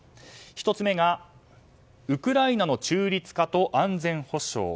１つ目がウクライナの中立化と安全保障。